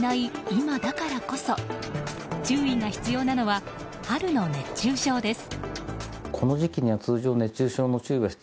今だからこそ注意が必要なのは春の熱中症です。